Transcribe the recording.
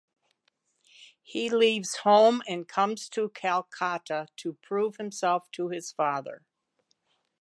He leaves home and comes to Kolkata to prove himself to his father.